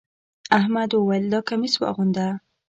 احمد وويل: دا کميس واغونده.